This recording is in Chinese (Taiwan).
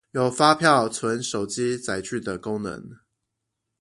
有發票存手機載具的功能